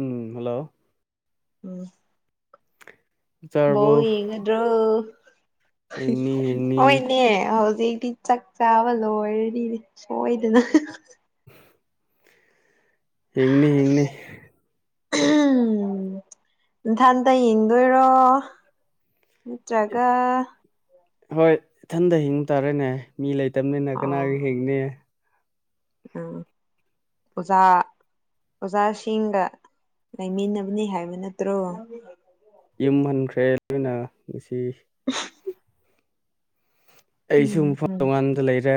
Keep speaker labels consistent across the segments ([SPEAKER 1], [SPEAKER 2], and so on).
[SPEAKER 1] ꯎꯝ hello
[SPEAKER 2] ꯎꯝ
[SPEAKER 1] [unintelligible]
[SPEAKER 2] ꯕꯧ
[SPEAKER 1] ꯆꯥꯔꯕꯣ
[SPEAKER 2] ꯌꯦꯡꯒꯗ꯭ꯔꯣ
[SPEAKER 1] ꯍꯤꯡꯅꯤ ꯍꯤꯡꯅꯤ
[SPEAKER 2] ꯍꯣꯏꯅꯦ ꯍꯧꯖꯤꯛꯤ ꯆꯥꯛ ꯆꯥꯕ ꯂꯣꯏꯔꯅꯤꯅꯦ ꯁꯣꯏꯗꯅ
[SPEAKER 1] ꯍꯤꯡꯅꯤ ꯍꯤꯡꯡꯅꯤ
[SPEAKER 2] ꯎꯝ ꯊ ꯇ ꯌꯦꯡꯗꯣꯏꯔꯣ ꯖꯒꯥ
[SPEAKER 1] ꯍꯣꯏ ꯏꯊꯟꯇ ꯍꯤꯡꯕ ꯇꯥꯔꯦꯅꯦ ꯃꯤ ꯂꯩꯇꯕꯅꯤꯅ ꯀꯅꯥꯒ ꯍꯤꯡꯅꯤ
[SPEAKER 2] ꯑꯝ ꯑꯣꯖꯥ ꯑꯣꯖꯥꯁꯤꯡꯒ ꯂꯩꯃꯤꯟꯅꯕꯅꯤ ꯍꯥꯏꯕ ꯅꯠꯇ꯭ꯔꯣ
[SPEAKER 1] ꯌꯨꯝ ꯍꯟꯈ꯭ꯔꯦ ꯂꯣꯏꯅ ꯉꯁꯤ
[SPEAKER 2] [unintelligible]
[SPEAKER 1] ꯑꯩꯁꯨ
[SPEAKER 2] ꯎꯝ
[SPEAKER 1] ꯃꯐꯝ
[SPEAKER 2] ꯎꯝ
[SPEAKER 1] ꯇꯣꯉꯥꯟꯗ ꯂꯩꯔꯦ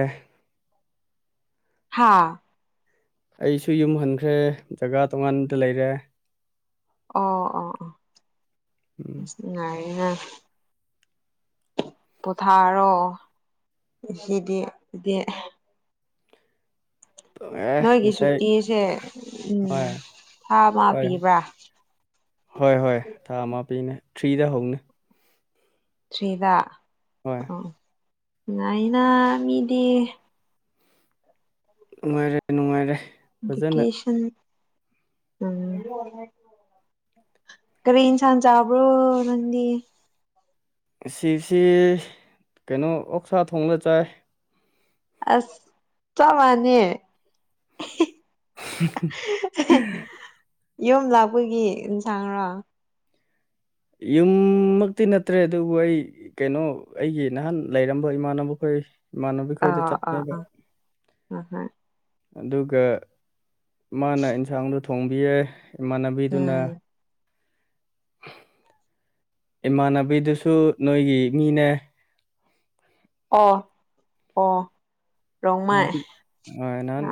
[SPEAKER 2] ꯍꯥꯥ
[SPEAKER 1] ꯑꯩꯁꯨ ꯌꯨꯝ ꯍꯟꯈ꯭ꯔꯦ ꯖꯒꯥ ꯇꯣꯉꯥꯟꯕꯗ ꯂꯩꯔꯦ
[SPEAKER 2] ꯑꯣ ꯑꯣ
[SPEAKER 1] ꯎꯝ
[SPEAKER 2] ꯑꯣ
[SPEAKER 1] [unintelligible]
[SPEAKER 2] ꯄꯣꯊꯥꯔꯣ ꯁꯤꯗꯤꯗꯤ
[SPEAKER 1] ꯑꯦ
[SPEAKER 2] ꯅꯣꯏꯒꯤ
[SPEAKER 1] ꯉꯁꯥꯏ
[SPEAKER 2] ꯁꯨꯇꯤꯁꯦ ꯎꯝ
[SPEAKER 1] ꯍꯣꯏ
[SPEAKER 2] ꯊꯥ ꯑꯃ
[SPEAKER 1] ꯍꯣꯏ
[SPEAKER 2] ꯄꯤꯕ꯭ꯔꯥ
[SPEAKER 1] ꯍꯣꯏ ꯍꯣꯏ ꯊꯥ ꯑꯃ ꯄꯤꯅꯦ ꯊ꯭ꯔꯤꯗ ꯍꯧꯅꯦ
[SPEAKER 2] ꯊ꯭ꯔꯤꯗ
[SPEAKER 1] ꯍꯣꯏ
[SPEAKER 2] ꯑ ꯉꯥꯏꯅ ꯃꯤꯗꯤ
[SPEAKER 1] ꯅꯨꯡꯉꯥꯏꯔꯦ ꯅꯨꯡꯉꯥꯏꯔꯦ ꯐꯖꯅ
[SPEAKER 2] ꯗꯀꯦꯁꯟ ꯎꯝ ꯀ ꯏꯟꯁꯥꯟ ꯆꯥꯕ꯭ꯔꯣ ꯅꯗꯤ
[SPEAKER 1] ꯁꯤꯁꯤ ꯀꯩꯅꯣ ꯑꯣꯛꯁꯥ ꯊꯣꯕ ꯆꯥꯏ
[SPEAKER 2] ꯑꯁ ꯆ ꯃꯥꯅꯦꯦ
[SPEAKER 1] [unintelligible]
[SPEAKER 2] ꯌꯣꯨꯝ ꯂꯥꯛꯄꯒꯤ ꯑꯦꯟꯁꯥꯡꯔꯣ
[SPEAKER 1] ꯌꯨꯝꯃꯛꯇꯤ ꯅꯠꯇ꯭ꯔꯦ ꯑꯗꯨꯕꯨ ꯑꯩ ꯀꯩꯅꯣ ꯑꯩꯒꯤ ꯅꯍꯥꯟ ꯂꯩꯔꯝꯕ ꯏꯃꯥꯟꯅꯕꯈꯣꯏ ꯃꯥꯟꯕꯤ ꯍꯩꯗ ꯆꯠꯅꯦꯕ
[SPEAKER 2] ꯎꯝ ꯍꯝ
[SPEAKER 1] ꯑꯗꯨꯒ ꯃꯥꯅ ꯑꯦꯟꯁꯥꯡꯗꯣ ꯊꯣꯡꯕꯤ ꯌꯥꯏ ꯏꯃꯥꯟꯅꯕꯤꯗꯨꯅ
[SPEAKER 2] ꯎꯝ
[SPEAKER 1] ꯏꯃꯥꯟꯅꯕꯤꯗꯨꯁꯨ ꯅꯣꯏꯒꯤ ꯃꯤꯅꯦ
[SPEAKER 2] ꯑ ꯑꯣ ꯔꯣꯡꯃ
[SPEAKER 1] ꯅꯍꯥꯟ
[SPEAKER 2] ꯑ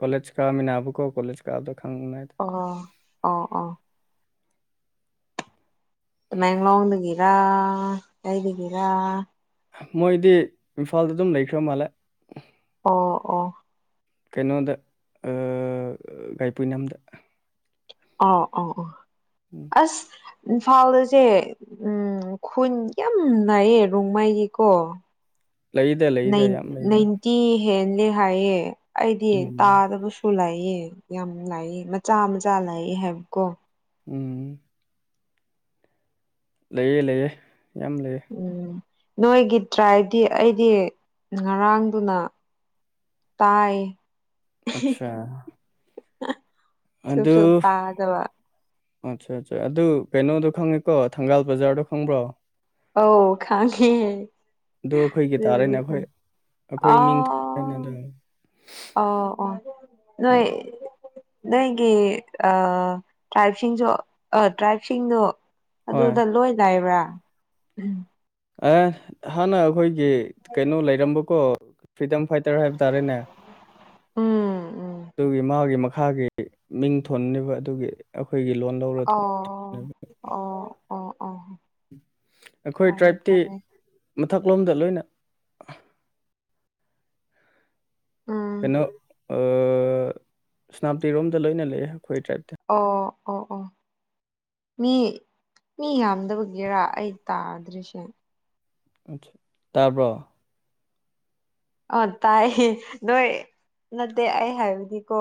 [SPEAKER 1] ꯀꯂꯦꯖ ꯀꯥꯃꯤꯌꯥꯝꯕꯕꯨ ꯀꯣ ꯀꯂꯖ ꯀꯥꯗ
[SPEAKER 2] ꯑ ꯑ ꯑꯥ ꯇꯃꯦꯡꯂꯣꯡꯗꯒꯤꯔ ꯑꯩꯗꯒꯤꯔ
[SPEAKER 1] ꯃꯣꯏꯗꯤ ꯏꯝꯐꯥꯜꯗ ꯑꯗꯨꯝ ꯂꯩꯈ꯭ꯔ ꯃꯥꯜꯂꯦ
[SPEAKER 2] ꯑꯣ ꯑꯣ
[SPEAKER 1] ꯀꯩꯅꯣꯗ ꯒꯥꯏꯄꯨꯅꯗ
[SPEAKER 2] ꯑꯣ ꯑꯣ ꯑꯣ ꯑꯁ ꯏꯝꯐꯥꯜꯗꯁꯦ ꯎꯝ ꯈꯨꯟ ꯌꯥꯝ ꯅꯥꯏꯌꯦ ꯔꯣꯡꯃꯥꯏꯒꯤꯀꯣ
[SPEAKER 1] ꯂꯩꯗ ꯂꯩꯗ ꯌꯥꯝ ꯂꯩꯗ
[SPEAKER 2] ꯅꯥꯏꯟꯇꯤ ꯍꯦꯜꯂꯦ ꯍꯥꯏꯌꯦ ꯑꯩꯗꯤ
[SPEAKER 1] ꯎꯝ
[SPEAKER 2] ꯇꯥꯗꯕꯁꯨ ꯂꯩ ꯌꯦ ꯌꯥꯝ ꯂꯥꯛꯑꯦ ꯃꯆꯥ ꯃꯆꯥ ꯂꯥꯛꯏ ꯍꯥꯏꯕꯀꯣ
[SPEAKER 1] ꯎꯝ ꯂꯩꯑꯦ ꯂꯩꯑꯦ ꯌꯥꯝ ꯂꯩꯑꯦ
[SPEAKER 2] ꯎꯝ ꯅꯣꯏꯒꯤ ꯇ꯭ꯔꯥꯏꯗꯤ ꯑꯩꯗꯤ ꯉꯔꯥꯡꯗꯨꯅ ꯇꯥꯏ
[SPEAKER 1] ꯑꯆꯥ
[SPEAKER 2] ꯁꯨꯝ ꯁꯨ ꯇꯥꯗꯕ
[SPEAKER 1] ꯑꯠꯆꯥ ꯑꯠꯆꯥ ꯑꯗꯨ ꯀꯩꯅꯣꯗꯣ ꯈꯪꯉꯦꯀꯣ ꯊꯪꯒꯥꯜ ꯕꯖꯥꯔꯗꯣ ꯈꯪꯕ꯭ꯔꯣ
[SPEAKER 2] ꯑ ꯈꯥꯡꯉꯦ
[SPEAKER 1] ꯑꯗꯨ ꯑꯩꯈꯣꯏꯒꯤ
[SPEAKER 2] ꯑꯗꯨ
[SPEAKER 1] ꯇꯥꯔꯦꯅꯦ
[SPEAKER 2] ꯑꯣꯏ ꯀ
[SPEAKER 1] ꯑꯩꯈꯣꯏ
[SPEAKER 2] ꯑ
[SPEAKER 1] ꯑꯩꯈꯣꯏ ꯃꯤꯡ ꯊꯣꯛꯑꯦꯅꯦ ꯑꯗꯨ
[SPEAKER 2] ꯑꯣ ꯑꯣ
[SPEAKER 1] ꯎꯝ
[SPEAKER 2] ꯅꯣꯏ ꯅꯣꯏꯒꯤ ꯇ꯭ꯔꯥꯏꯕꯁꯤꯡꯁꯨ ꯇ꯭ꯔꯥꯏꯞꯁꯤꯡꯗꯣ
[SPEAKER 1] ꯍꯣꯏ
[SPEAKER 2] ꯑꯗꯨꯗ ꯂꯣꯏ ꯂꯥꯏꯕ꯭ꯔꯥ
[SPEAKER 1] ꯑꯦ ꯍꯥꯟꯅ ꯑꯩꯈꯣꯏꯒꯤ ꯀꯩꯅꯣ ꯂꯩꯔꯝꯕꯀꯣ ꯐ꯭ꯔꯤꯗꯝ ꯐꯥꯏꯇꯔ ꯍꯥꯏꯕ ꯇꯥꯔꯦꯅꯦ
[SPEAKER 2] ꯎꯝ
[SPEAKER 1] ꯥꯒꯤ ꯃꯤꯡ ꯊꯣꯟꯅꯦꯕ ꯑꯗꯨꯒꯤ ꯑꯩꯈꯣꯏꯒꯤ ꯂꯣꯟ ꯂꯧꯔ
[SPEAKER 2] ꯑꯣ ꯑꯣ ꯑꯣ ꯑꯣ
[SPEAKER 1] ꯑꯩꯈꯣꯏ
[SPEAKER 2] ꯐꯔꯦ
[SPEAKER 1] ꯇ꯭ꯔꯥꯏꯞꯇꯤ
[SPEAKER 2] ꯐꯔꯦ
[SPEAKER 1] ꯃꯊꯛꯂꯣꯝꯗ ꯂꯣꯏꯅ
[SPEAKER 2] ꯎꯝ
[SPEAKER 1] ꯀꯩꯅꯣ ꯁꯅꯥꯞꯇꯤꯔꯣꯝꯗ ꯂꯣꯏꯅ ꯂꯩꯌꯦ ꯑꯩꯈꯣꯏ ꯇ꯭ꯔꯥꯏꯞꯇ
[SPEAKER 2] ꯑꯣ ꯑꯣ ꯑꯣ
[SPEAKER 1] ꯑ
[SPEAKER 2] ꯃꯤ ꯃꯤ ꯌꯥꯝꯗꯕꯒꯤꯦꯔꯥ ꯑꯩ ꯇꯥꯗ꯭ꯔꯤꯁꯦ
[SPEAKER 1] ꯑ ꯇꯥꯔꯕ
[SPEAKER 2] ꯑ ꯇꯥꯏ ꯅꯣꯏ ꯅꯠꯇꯦ ꯑꯩ ꯍꯥꯏꯕꯗꯤꯀꯣ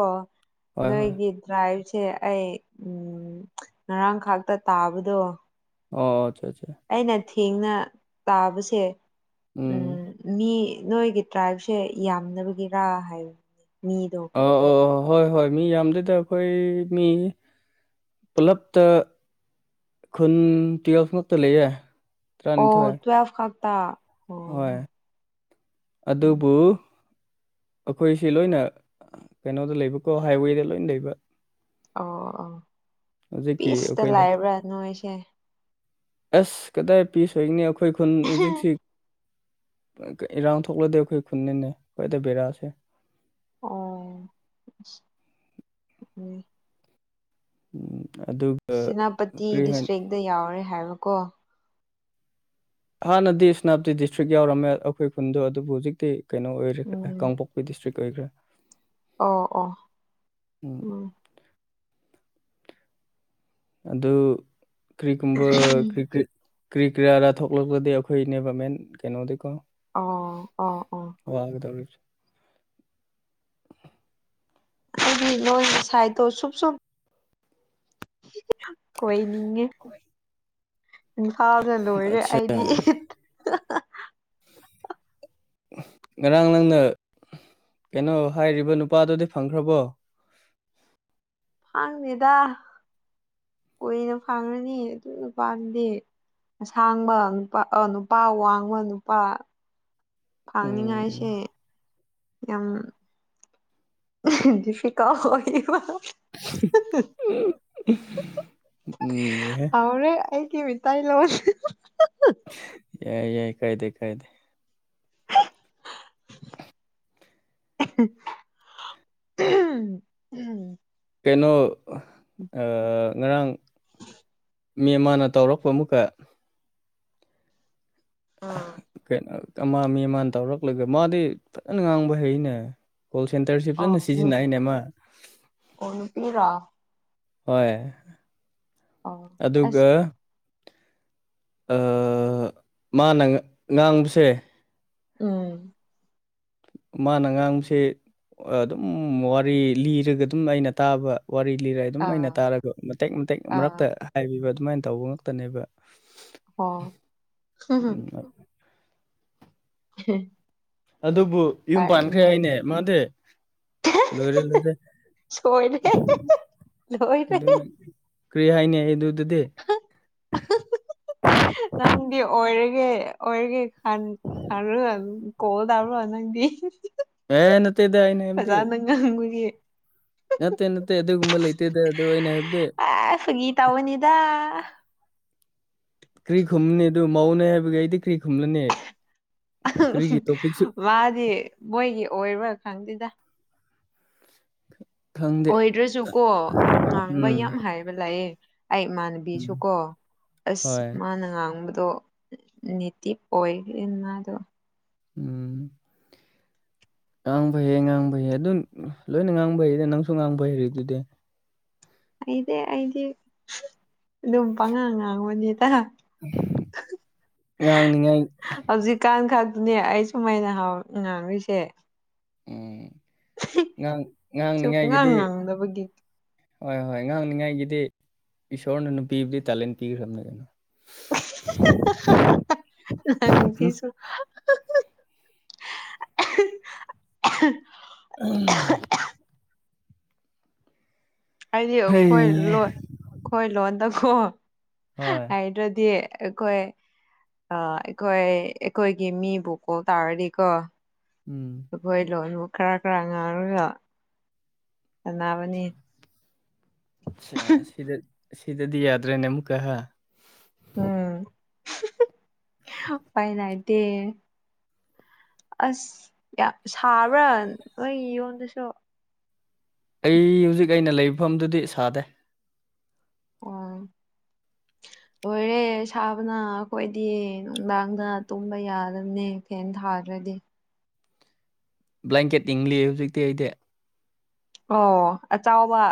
[SPEAKER 1] ꯍꯣꯏ ꯍꯣꯏ
[SPEAKER 2] ꯅꯣꯏꯒꯤꯗ꯭ꯔꯥ ꯁꯦ ꯑꯩ ꯎ ꯉꯔꯥꯡꯈꯥꯛꯇ ꯇꯥꯕꯗꯣ
[SPEAKER 1] ꯑꯣ ꯑꯆꯥ ꯑꯆꯥ
[SPEAKER 2] ꯑꯩꯅ ꯊꯦꯡꯅ ꯇꯥꯕꯁꯦ
[SPEAKER 1] ꯎꯝ
[SPEAKER 2] ꯃꯤ ꯅꯣꯏꯒꯤ ꯇ꯭ꯔꯥꯏꯕꯁꯦ ꯌꯥꯝꯅꯕꯒꯤꯔꯥ ꯍꯥꯏꯕꯅꯦ ꯃꯤꯗꯣ
[SPEAKER 1] ꯑ ꯑ ꯍꯣꯏ ꯍꯣꯏ ꯃꯤ ꯌꯥꯝꯗꯗ ꯑꯩꯈꯣꯏ ꯃꯤ ꯄꯨꯂꯞꯇ ꯈꯨꯟꯇꯤꯔꯁꯃꯛꯇ ꯂꯩꯦ
[SPEAKER 2] ꯑꯣ ꯇꯨꯋꯐ ꯈꯥꯛꯇꯥ
[SPEAKER 1] ꯍꯣꯏ
[SPEAKER 2] ꯎꯝ
[SPEAKER 1] ꯑꯗꯨꯕꯨ ꯑꯩꯈꯣꯏꯁꯤ ꯂꯣꯏꯅ ꯀꯩꯅꯣꯗ ꯂꯩꯕꯀꯣ ꯍꯥꯏꯋꯦꯗ ꯂꯣꯏꯅ ꯂꯩꯕ
[SPEAKER 2] ꯑꯣ ꯑꯣ
[SPEAKER 1] ꯍꯧꯖꯤꯛꯀꯤ
[SPEAKER 2] ꯄꯤꯁꯇ
[SPEAKER 1] ꯑꯩꯈꯣꯏꯅ
[SPEAKER 2] ꯂꯥꯛꯕ꯭ꯔꯥ ꯅꯣꯏꯁꯦ
[SPEAKER 1] ꯑꯁ ꯀꯗꯥꯏ ꯄꯤꯤꯁꯣꯏꯒꯅꯤ ꯑꯩꯈꯣꯏ ꯈꯨꯟ ꯍꯧꯖꯤꯛꯁꯤ ꯏꯔꯥꯡ ꯊꯣꯛꯂꯗꯤꯦ ꯑꯩꯈꯣꯏ ꯈꯨꯟꯅꯤꯅꯦ ꯍꯣꯏꯗ ꯕꯦꯔꯥꯁꯦ
[SPEAKER 2] ꯑꯣ ꯎꯝ
[SPEAKER 1] ꯎꯝ ꯑꯗꯨꯒ
[SPEAKER 2] ꯁꯦꯅꯥꯄꯇꯤ
[SPEAKER 1] ꯀꯔꯤ ꯍꯥꯏꯅꯤ
[SPEAKER 2] ꯗꯤꯁꯇ꯭ꯔꯤꯛꯇꯛꯇ ꯌꯥꯎꯔꯦ ꯍꯥꯏꯕꯀꯣ
[SPEAKER 1] ꯍꯥꯟꯅꯗꯤ ꯁꯦꯅꯥꯄꯇꯤ ꯗꯤꯁꯇ꯭ꯔꯤꯛ ꯌꯥꯎꯔꯝꯃꯦ ꯑꯩꯈꯣꯏ ꯈꯨꯟꯗꯣ ꯑꯗꯨꯕꯨ ꯍꯧꯖꯤꯛꯇꯤ ꯀꯩꯅꯣ ꯑꯣꯏꯈꯦ
[SPEAKER 2] ꯎꯝ
[SPEAKER 1] ꯀꯥꯡꯄꯣꯛꯄꯤ ꯗꯤꯁꯇ꯭ꯔꯤꯛ ꯑꯣꯏꯈ꯭ꯔꯦ
[SPEAKER 2] ꯑꯣ ꯑꯣ ꯎꯝ
[SPEAKER 1] ꯑꯗꯨ ꯀꯔꯤꯒꯨꯝꯕ ꯀ ꯀꯦ ꯀ꯭ꯔꯤ ꯀꯔꯤꯌꯥꯔꯥ ꯊꯣꯛꯂꯛꯄꯗꯤ ꯑꯩꯈꯣꯏꯅꯦꯕ ꯃꯦꯟ ꯀꯩꯅꯣꯗꯤꯀꯣ
[SPEAKER 2] ꯑꯣ ꯑꯣ ꯑꯣ
[SPEAKER 1] ꯋꯥꯒꯗꯔ
[SPEAKER 2] ꯑꯩ ꯂ ꯁꯥꯏ ꯇꯣ ꯁ ꯁꯨꯝ ꯀꯣꯏꯅꯤ ꯏꯝꯐꯥꯜꯅ ꯂꯣꯏꯔꯦ
[SPEAKER 1] ꯑꯠꯁꯥ
[SPEAKER 2] ꯑꯩꯗꯤ ꯏꯠ
[SPEAKER 1] ꯉꯔꯥꯡ ꯅꯪꯅ ꯀꯩꯅꯣ ꯍꯥꯏꯔꯤꯕ ꯅꯨꯄꯥꯗꯨꯗꯤ ꯐꯪꯈ꯭ꯔꯕꯣ
[SPEAKER 2] ꯐꯥꯡꯗꯦꯗ ꯀꯨꯏꯅ ꯐꯥꯡꯉꯅꯤ ꯑꯗꯨ ꯅꯨꯄꯥꯗꯤ ꯑꯁꯥꯡꯕ ꯅꯨꯄꯥ ꯅꯨꯄꯥ ꯋꯥꯡꯃ ꯅꯨꯄꯥ ꯍꯥꯡꯅꯤꯡꯉꯥꯏꯁꯦ
[SPEAKER 1] ꯎꯝ
[SPEAKER 2] ꯌꯥꯝ ꯁꯤꯀꯥꯎ ꯑꯣꯏ
[SPEAKER 1] ꯎ
[SPEAKER 2] ꯍꯧꯔꯦ ꯑꯩꯗꯤ ꯃꯤꯇꯥꯏ ꯂꯣ
[SPEAKER 1] ꯌꯥꯏ ꯌꯥꯏ ꯀꯥꯏꯗꯦ ꯀꯥꯏꯗꯦ
[SPEAKER 2] ꯎꯝ
[SPEAKER 1] ꯀꯩꯅꯣ ꯉꯔꯥꯡ ꯃꯦꯝ ꯃꯥꯅ ꯇꯧꯔꯛꯄ ꯑꯃꯨꯛꯀ ꯀꯩꯅꯣ ꯑꯃ ꯃꯤ ꯑꯃꯅ ꯇꯧꯔꯛꯂꯒ ꯃꯥꯗꯤ ꯐꯖꯅ ꯉꯥꯡꯕ ꯍꯩꯅꯦ ꯀꯣꯜ ꯁꯦꯟꯇꯔꯁꯦ
[SPEAKER 2] ꯑꯣ
[SPEAKER 1] ꯐꯖꯅ ꯁꯤꯖꯤꯟꯅꯏꯅꯦꯃ
[SPEAKER 2] ꯑꯣ ꯅꯨꯄꯤꯔꯣ
[SPEAKER 1] ꯍꯣꯏ
[SPEAKER 2] ꯑꯣ ꯑꯁ
[SPEAKER 1] ꯑꯗꯨꯒ ꯃꯥꯅ ꯉꯥꯡꯕꯁꯦ
[SPEAKER 2] ꯎꯝ
[SPEAKER 1] ꯃꯥꯅ ꯉꯥꯡꯕꯁꯦ ꯑꯗꯨꯝ ꯋꯥꯔꯤ ꯂꯤꯔꯒ ꯑꯗꯨꯝ ꯑꯩꯅ ꯇꯥꯕ ꯋꯥꯔꯤ ꯂꯤꯔꯦ ꯑꯗꯨꯝ ꯑ ꯑꯣꯏꯅ
[SPEAKER 2] ꯑꯥ
[SPEAKER 1] ꯇꯥꯔꯒ ꯃꯇꯦꯛ ꯃꯇꯦꯛ ꯃꯔꯛꯇ
[SPEAKER 2] ꯑꯥ
[SPEAKER 1] ꯍꯥꯏꯕꯤꯕ ꯁꯨꯃꯥꯏꯅ ꯇꯧꯕ ꯉꯛꯇꯅꯦꯕ
[SPEAKER 2] ꯍ [unintelligible]
[SPEAKER 1] ꯑꯗꯨꯕꯨ ꯌꯨꯝ ꯄꯥꯟꯈ꯭ꯔꯦ
[SPEAKER 2] ꯀꯥꯏꯅ
[SPEAKER 1] ꯍꯥꯏꯅꯦ ꯃꯥꯅꯦꯦ ꯂꯣꯏꯔꯦ ꯂꯣꯏꯔꯦ
[SPEAKER 2] ꯁꯣꯏꯔꯦ ꯂꯣꯏꯔꯦ
[SPEAKER 1] ꯑꯗꯨꯅ ꯀ꯭ꯔꯤ ꯍꯥꯏꯅꯤ ꯑꯩ ꯑꯗꯨ
[SPEAKER 2] ꯅꯪꯗꯤ ꯑꯣꯏꯔ ꯑꯣꯏꯔꯒꯤ ꯈꯥꯟ ꯈ ꯀꯣꯜꯗꯔꯣ ꯍꯅꯪꯗꯤ
[SPEAKER 1] ꯑꯦ ꯅꯠꯇꯦꯗ ꯑꯩꯅ ꯍꯥꯏꯕꯗꯤ
[SPEAKER 2] ꯐꯖꯥꯅ ꯉꯥꯡꯕꯒꯤ
[SPEAKER 1] ꯅꯠꯇꯦ ꯅꯠꯇꯦ ꯑꯗꯨꯒꯨꯝꯕꯜ ꯂꯩꯇ ꯑꯗꯨ ꯑꯗꯨꯩꯅ
[SPEAKER 2] ꯑꯁꯨꯒ ꯒꯤ ꯇ ꯑꯣꯏꯅꯤꯗ
[SPEAKER 1] ꯀ꯭ꯔꯤ ꯈꯨꯨꯝꯅꯤ ꯑꯗꯨ ꯃꯧꯅꯦ ꯍꯥꯏꯕꯗꯤ ꯀꯔꯤꯒꯤ ꯇꯣꯄꯤꯛꯁꯨ
[SPEAKER 2] ꯃꯥꯗꯤ ꯃꯣꯏꯒꯤ ꯑꯣꯏꯔꯣꯏ ꯈꯪꯗꯦꯗ
[SPEAKER 1] ꯈꯪꯗꯦ
[SPEAKER 2] ꯑꯣꯏꯗ꯭ꯔꯁꯨ ꯀꯣ ꯉꯥꯡꯕ
[SPEAKER 1] ꯎꯝ
[SPEAKER 2] ꯌꯥꯝ ꯍꯥꯏꯕ ꯂꯥꯛꯑꯦ ꯑꯩ
[SPEAKER 1] ꯎꯝ
[SPEAKER 2] ꯏꯃꯥꯟꯅꯕꯤꯁꯨꯀꯣ ꯑꯁ
[SPEAKER 1] ꯍꯣꯏ
[SPEAKER 2] ꯃꯥꯅ ꯉꯥꯡꯕꯗ ꯑꯣ ꯅꯇꯤꯞ ꯑꯣꯏꯃꯗꯣ
[SPEAKER 1] ꯎꯝ ꯉꯥꯡꯕ ꯍꯌꯦ ꯉꯥꯡꯕꯍꯦ ꯑꯗꯨꯝ ꯂꯣꯏꯅ ꯉꯥꯡꯕ ꯍꯩꯅꯦ ꯅꯪꯁꯨ ꯉꯥꯡꯕ ꯍꯩꯔꯗꯨꯗꯤ
[SPEAKER 2] ꯑꯩꯗꯤ ꯑꯩꯗꯤ ꯑꯗꯨꯝ ꯄꯉꯥꯡ ꯉꯥꯡꯕꯅꯤꯗ
[SPEAKER 1] ꯉꯥꯡꯅꯤꯉꯥꯏ
[SPEAKER 2] ꯍꯧꯖꯤꯛ ꯀꯥꯟ ꯈꯥꯛ ꯅꯦ ꯑꯩ ꯁꯨꯃꯥꯏꯅ ꯍꯥꯎ ꯉꯥꯡꯉꯤꯁꯦ
[SPEAKER 1] ꯎꯝ ꯉꯥꯡ
[SPEAKER 2] ꯁꯨꯝ ꯉꯥꯡ
[SPEAKER 1] ꯉꯥꯡꯅꯤꯉꯥꯏꯒꯤꯗꯤ
[SPEAKER 2] ꯉꯥꯡꯗꯕꯒꯤ
[SPEAKER 1] ꯍꯣꯏ ꯍꯣꯏ ꯉꯥꯡꯅꯤꯉꯥꯏꯒꯤꯗꯤ ꯏꯁꯣꯔꯅ ꯅꯨꯄꯤꯕꯨꯗꯤ ꯇꯦꯂꯦꯟ ꯄꯤꯈ꯭ꯔꯕꯅꯤ ꯀꯩꯅꯣ
[SPEAKER 2] ꯅꯪꯁꯤꯁꯨ [unintelligible] [unintelligible]
[SPEAKER 1] [inaudible]
[SPEAKER 2] ꯍꯥꯏꯗꯤ ꯑꯩꯈꯣꯏ
[SPEAKER 1] ꯍꯩ
[SPEAKER 2] ꯂꯣꯟ ꯑꯩꯈꯣꯏ ꯂꯣꯟꯗꯀꯣ
[SPEAKER 1] ꯍꯣꯏ
[SPEAKER 2] ꯍꯥꯏꯗ꯭ꯔꯗꯤ ꯑꯩꯈꯣꯏ ꯑꯥ ꯑꯩꯈꯣꯏ ꯑꯩꯈꯣꯏꯒꯤ ꯃꯤꯕꯨ ꯀꯣꯜ ꯇꯧꯔꯗꯤꯀꯣ
[SPEAKER 1] ꯎꯝ
[SPEAKER 2] ꯑꯈꯣꯏ ꯂꯣꯟꯕꯨ ꯈꯔ ꯈꯔ ꯉꯥꯡꯉꯔꯣꯏꯗꯣ ꯁꯥꯟꯅꯕꯅꯤ
[SPEAKER 1] ꯁꯤꯗ ꯁꯤꯗꯗꯤ ꯌꯥꯗ꯭ꯔꯦꯅꯦ ꯑꯃꯨꯛ ꯀꯥ
[SPEAKER 2] ꯎꯝ ꯐꯥꯏꯅꯗꯦ ꯑꯁ ꯌꯥꯝ ꯁꯥꯕ꯭ꯔꯥ ꯅꯣꯏ ꯌꯨꯝꯗꯁꯨ
[SPEAKER 1] ꯑꯩ ꯍꯧꯖꯤꯛ ꯑꯩꯅ ꯂꯩꯕꯐꯝꯗꯨꯗꯤ ꯁꯥꯗꯦ
[SPEAKER 2] ꯑꯣ
[SPEAKER 1] [inaudible]
[SPEAKER 2] ꯂꯣꯏꯔꯦ ꯁꯥꯕꯅ ꯑꯩꯈꯣꯏꯗꯤ ꯅꯨꯡꯗꯥꯡꯗ ꯇꯨꯝꯕ ꯌꯥꯗꯕꯅꯦ ꯐꯦꯟ ꯊꯥꯗ꯭ꯔꯗ ꯗꯤ
[SPEAKER 1] ꯕ꯭ꯂꯥꯟꯀꯦꯠ ꯏꯪꯂꯤ ꯍꯧꯖꯤꯛꯇꯤ ꯑꯩꯗꯤ
[SPEAKER 2] ꯑꯣ ꯑꯆꯧꯕ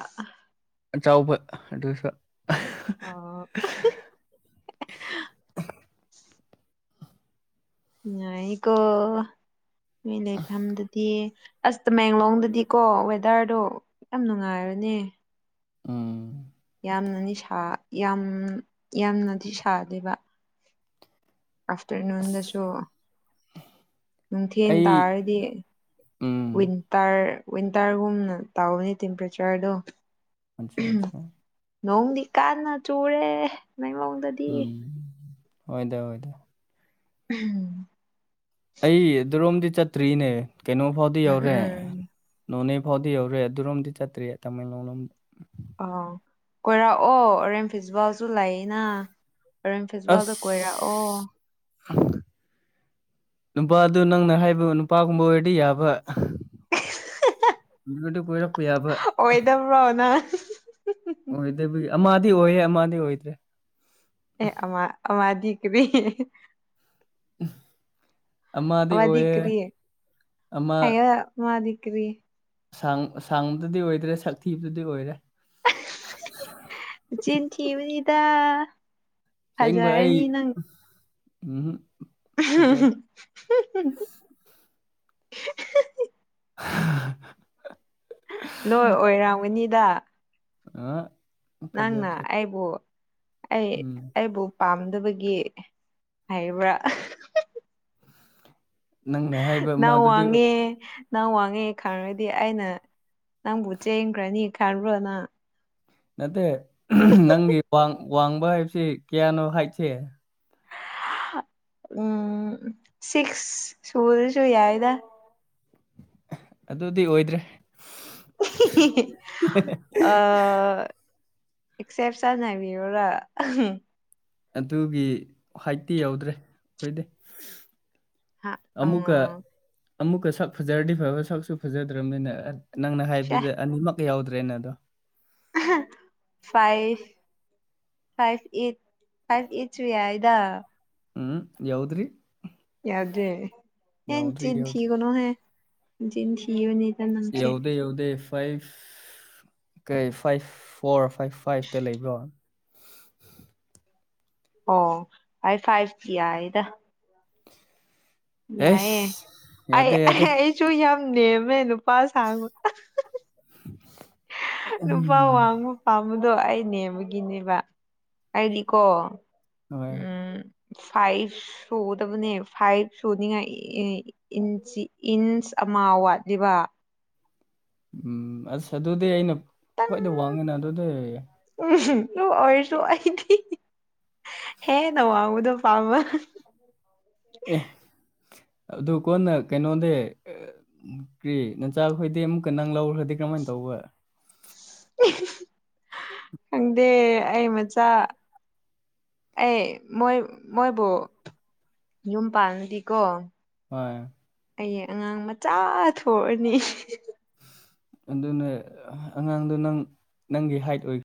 [SPEAKER 1] ꯆꯥꯎꯕ ꯑꯗꯨꯁꯨ [inaudible]
[SPEAKER 2] ꯑ ꯅꯨꯉꯥꯏꯀꯣ ꯅꯣꯏ ꯂꯩꯐꯝꯗꯨꯗꯤ ꯑꯁ ꯇꯃꯦꯡꯂꯣꯡꯗꯗꯤꯀꯣ ꯋꯦꯗꯔꯗꯣ ꯌꯥꯝ ꯅꯨꯡꯉꯥꯏꯔꯅꯦ
[SPEAKER 1] ꯎꯝ
[SPEAKER 2] ꯌꯥꯝꯅꯅꯤ ꯌꯥꯝ ꯌꯥꯝꯅꯗꯤ ꯁꯥꯗꯦꯕ
[SPEAKER 1] ꯑꯁ
[SPEAKER 2] ꯑꯐꯇꯔꯅꯨꯟꯗꯁꯨꯣ ꯅꯨꯡꯊꯤꯟ
[SPEAKER 1] ꯑꯩ
[SPEAKER 2] ꯇꯥꯔꯗꯤ
[SPEAKER 1] ꯎꯝ
[SPEAKER 2] ꯋꯤꯟꯇꯔ ꯋꯤꯟꯇꯔꯒꯨꯝꯅ ꯇꯧꯕꯅꯤ ꯇꯦꯝꯄꯔꯦꯆꯔꯗꯣ
[SPEAKER 1] ꯑꯆꯥ ꯑꯆꯥ
[SPEAKER 2] ꯅꯣꯡꯗꯤ ꯀꯥꯟꯅ ꯆꯨꯔꯦ ꯅꯪꯂꯣꯡꯗꯗꯤ
[SPEAKER 1] ꯑꯣꯏꯣꯏꯗ ꯑꯣꯏꯗ
[SPEAKER 2] ꯎꯝ
[SPEAKER 1] ꯑꯩ ꯑꯗꯨꯔꯣꯝꯗꯤ ꯆꯠꯇ꯭ꯔꯤꯅꯦ ꯀꯩꯅꯣ ꯐꯥꯎꯗꯤ ꯌꯧꯔꯦ
[SPEAKER 2] ꯎꯝ
[SPEAKER 1] ꯅꯣꯅꯦ ꯕꯥꯎꯗꯤ ꯌꯧꯔꯦ ꯑꯗꯨꯔꯣꯝꯗꯤ ꯆꯠꯇ꯭ꯔꯤꯌꯦ ꯇꯥꯃꯦꯡꯂꯣꯡꯂꯣꯝꯗ
[SPEAKER 2] ꯑ ꯀꯣꯏꯔꯛꯑꯣ ꯑꯣꯔꯦꯝ ꯐꯤꯖꯕꯥꯜꯁꯨ ꯂꯩꯏꯅ ꯄꯔꯝ ꯐꯦꯖꯕꯥꯜꯗ
[SPEAKER 1] ꯑꯁ
[SPEAKER 2] ꯀꯣꯏꯔꯛꯑꯣ
[SPEAKER 1] ꯅꯨꯄꯥꯗꯨ ꯅꯪꯅ ꯍꯥꯏꯕ ꯅꯨꯄꯥꯒꯨꯝꯕ ꯑꯣꯏꯔꯗꯤ ꯌꯥꯕ ꯔꯛꯑꯣ [unintelligible]
[SPEAKER 2] ꯑꯣꯏꯗꯕ꯭ꯔꯣ ꯅꯪ
[SPEAKER 1] ꯑꯣꯏꯗꯕꯤ ꯑꯃꯗꯤ ꯑꯣꯏꯌꯦ ꯑꯃꯗꯤ ꯑꯣꯏꯗꯦ
[SPEAKER 2] ꯑꯦ ꯑꯃꯥ ꯑꯃꯥꯗꯤ ꯀꯔꯤ
[SPEAKER 1] [inaudible] ꯑꯃꯗꯤ
[SPEAKER 2] ꯋꯥꯗꯤ
[SPEAKER 1] ꯑꯣꯏꯌꯦ
[SPEAKER 2] ꯀ꯭ꯔꯤꯌꯦ ꯑꯃꯗꯤ ꯀꯔꯤ
[SPEAKER 1] ꯑꯁ ꯑꯁꯥꯡꯕꯗꯨꯗꯤ ꯑꯣꯏꯗ꯭ꯔꯦ ꯁꯛꯊꯤꯕꯗꯨꯗꯤ ꯑꯣꯏꯔꯦ
[SPEAKER 2] ꯆꯤꯟ ꯊꯤꯕꯅꯤꯗ ꯍꯖꯔꯅꯤ ꯅꯪ
[SPEAKER 1] ꯎꯝ
[SPEAKER 2] [unintelligible]
[SPEAKER 1] [unintelligible]
[SPEAKER 2] ꯂꯣꯏ ꯑꯣꯏꯔꯝꯒꯅꯤꯗ
[SPEAKER 1] ꯑ
[SPEAKER 2] ꯅꯪꯅ
[SPEAKER 1] ꯐꯖꯗ꯭ꯔꯦ
[SPEAKER 2] ꯑꯩꯕꯨꯣ ꯑꯩ
[SPEAKER 1] ꯎꯝ
[SPEAKER 2] ꯑꯩꯕꯨ ꯄꯥꯝꯗꯕꯒꯤ ꯍꯥꯏꯔꯤꯕ꯭ꯔꯥ
[SPEAKER 1] ꯅꯪꯅ ꯍꯥꯏꯕ
[SPEAKER 2] ꯅꯎ
[SPEAKER 1] ꯃꯥꯗꯨꯗꯤ
[SPEAKER 2] ꯍꯉꯦ ꯅꯪ ꯋꯥꯡꯉꯦ ꯈꯪꯔꯗꯤ ꯑꯩꯅ ꯅꯪꯕꯨ ꯆꯦꯟꯈ꯭ꯔꯅꯤ ꯈꯜꯔꯕꯨꯔꯣꯅ
[SPEAKER 1] ꯅꯠꯇꯦ ꯅꯪꯒꯤ ꯋꯥꯡꯕ ꯍꯥꯏꯕꯁꯤ ꯀꯌꯥꯅꯣ ꯍꯥꯏꯁꯦ
[SPEAKER 2] ꯎꯝ ꯁꯤꯁ ꯁꯨꯜꯁꯨꯁꯨ ꯌꯥ ꯏꯗ
[SPEAKER 1] ꯑꯗꯨꯗꯤ ꯑꯣꯏꯗ꯭ꯔꯦ
[SPEAKER 2] ꯑ ꯑꯦꯛꯁꯦꯞꯁꯟ ꯍꯥꯏꯕꯤ ꯑꯣꯏꯔ
[SPEAKER 1] ꯑꯗꯨꯒꯤ ꯍꯥꯏꯠꯇꯤ ꯌꯧꯗ꯭ꯔꯦ ꯍꯣꯏꯗꯦ ꯑꯃꯨꯛꯀ ꯑꯃꯨꯛꯀ ꯁꯛ ꯐꯖꯔꯗꯤ ꯐꯕ ꯁꯛꯁꯨ ꯐꯖꯗ꯭ꯔꯕꯅꯤꯅ ꯅꯪꯅ ꯍꯥꯏꯕꯗꯨꯗ ꯑꯅꯤꯃꯛꯀ ꯌꯥꯎꯗ꯭ꯔꯦꯅ ꯑꯗꯣ
[SPEAKER 2] ꯐꯥꯏ ꯐꯥꯏꯚ ꯐꯥꯏꯚꯠ ꯌꯥꯗ
[SPEAKER 1] ꯎꯝ ꯌꯥꯎꯗ꯭ꯔꯤ
[SPEAKER 2] ꯗꯦ ꯑꯦꯟꯆꯤꯟ
[SPEAKER 1] ꯌꯧꯗ꯭ꯔꯤ
[SPEAKER 2] ꯊꯅꯣꯍꯦ ꯏꯟꯆꯤꯟ ꯊꯅꯤ
[SPEAKER 1] ꯌꯥꯎꯗ ꯌꯥꯎꯗꯦ ꯐꯥꯏ ꯀꯩ ꯐꯥꯏꯚ ꯐꯣꯔ ꯐꯥꯏꯚ ꯐꯥꯏꯚꯇ ꯂꯩꯕ꯭ꯔꯣ
[SPEAKER 2] ꯑꯣ ꯑꯩ ꯐꯥꯏꯚ ꯖꯤ ꯏꯗ
[SPEAKER 1] ꯑꯦꯁ
[SPEAKER 2] ꯌꯥꯏꯌꯦ
[SPEAKER 1] ꯌꯥꯗꯦ ꯌꯥꯗꯦ
[SPEAKER 2] ꯑꯁꯨ ꯌꯥ ꯅꯃꯦ ꯅꯨꯄꯥ ꯁꯥꯥꯡꯒ ꯅꯨꯄꯥꯥꯎ
[SPEAKER 1] ꯎꯝ
[SPEAKER 2] ꯋꯥꯉ ꯄꯥꯝ ꯑꯗꯣ ꯑꯩ ꯅꯦꯝꯕꯒꯤꯅꯦꯕ ꯑꯩꯗꯤꯀꯣ
[SPEAKER 1] ꯍꯣꯏ
[SPEAKER 2] ꯎꯝ ꯐꯥꯏꯚ ꯁꯨꯗꯕꯅꯦ ꯐꯥꯏꯚ ꯁꯨꯅꯤꯡꯉꯥꯏ ꯏꯟꯁ ꯑꯃ ꯋꯥꯠꯂꯤꯕ
[SPEAKER 1] ꯎꯝ ꯑꯁ ꯑꯗꯨꯗꯤ ꯑꯩꯅ ꯈ꯭ꯋꯥꯏꯗ ꯋꯥꯡꯉꯦꯅ ꯑꯗꯨꯗꯤ
[SPEAKER 2] ꯎ ꯇꯨ ꯑꯣꯏꯔꯁꯨ ꯑꯗꯤ ꯍꯦ ꯅꯧ ꯑꯨꯗ ꯐꯥꯝ
[SPEAKER 1] ꯑꯗꯨꯗ ꯀꯣꯟꯅ ꯀꯩꯅꯣꯗ ꯀ꯭ꯔꯤ ꯅꯟꯆꯥꯈꯣꯏꯗꯤ ꯑꯃꯨꯛꯀ ꯅꯪ ꯂꯧꯈ꯭ꯔꯗꯤ ꯀꯔꯃꯥꯏꯅ ꯇꯧꯕ
[SPEAKER 2] ꯈꯪꯗꯦ ꯑꯩ ꯃꯆꯥ ꯑꯦ ꯃꯣꯏ ꯃꯣꯏꯕꯨ ꯌꯨꯝ ꯄꯥꯟꯉꯗꯤꯀꯣ
[SPEAKER 1] ꯍꯣꯏ
[SPEAKER 2] ꯑꯩ ꯑꯉꯥꯡ ꯃꯆꯥ ꯊꯣꯛꯑꯅꯤ
[SPEAKER 1] ꯑꯗꯨꯅ ꯑꯉꯥꯡꯗꯣ ꯅꯪ ꯅꯪꯒꯤ ꯍꯥꯏꯠ ꯑꯣꯏ